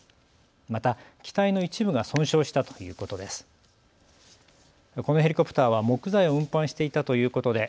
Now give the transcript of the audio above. また、機体の一部が損傷したということです。